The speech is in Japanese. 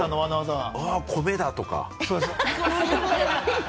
米だ！とか。